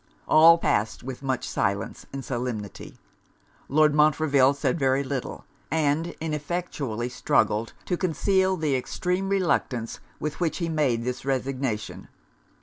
All passed with much silence and solemnity: Lord Montreville said very little; and ineffectually struggled to conceal the extreme reluctance with which he made this resignation.